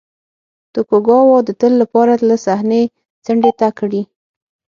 توکوګاوا د تل لپاره له صحنې څنډې ته کړي.